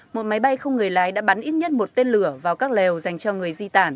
một máy bay không người lái đã bắn ít nhất một tên lửa vào các lều dành cho người di tản